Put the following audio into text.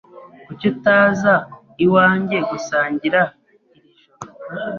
Kuki utaza iwanjye gusangira iri joro?